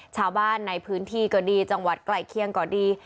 ชาวบ้านในพื้นที่ก็ดีจังหวัดใกล้เคียงก็ดี